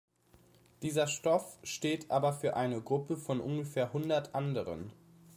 Dieser Stoff steht aber für eine Gruppe von ungefähr hundert anderen.